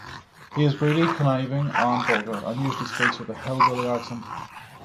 He is greedy, conniving, and vulgar, and usually speaks with a hillbilly accent.